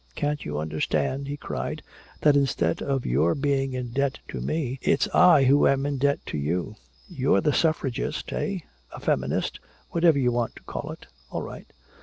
Can't you understand," he cried, "that instead of your being in debt to me it's I who am in debt to you? You're a suffragist, eh, a feminist whatever you want to call it! All right!